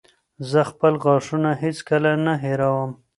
زه خپل غاښونه هېڅکله نه هېروم.